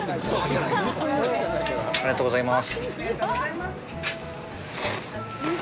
ありがとうございます。